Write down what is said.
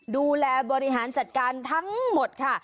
ดูแลบริหารจัดการทั้งหมดค่ะ